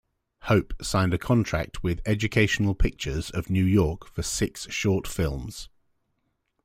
Hope signed a contract with Educational Pictures of New York for six short films.